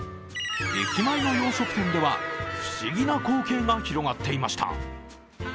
駅前の洋食店では不思議な光景が広がっていました。